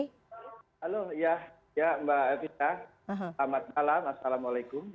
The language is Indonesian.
halo ya mbak elvita selamat malam assalamualaikum